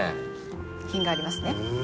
品がありますね。